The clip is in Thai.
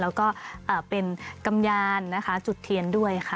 แล้วก็เป็นกำยานนะคะจุดเทียนด้วยค่ะ